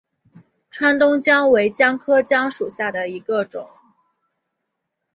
川东姜为姜科姜属下的一个种。